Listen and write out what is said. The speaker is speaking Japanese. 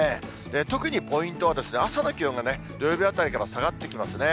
特にポイントは、朝の気温が土曜日あたりから下がってきますね。